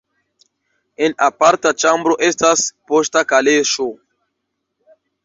En aparta ĉambro estas poŝta kaleŝo.